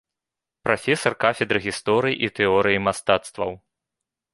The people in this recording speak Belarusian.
Прафесар кафедры гісторыі і тэорыі мастацтваў.